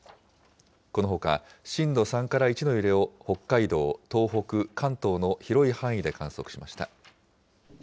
このほか、震度３から１の揺れを北海道、東北、関東の広い範囲で観測しました。